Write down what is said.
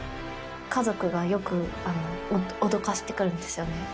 家族がよく、おどかせてくるんですよね。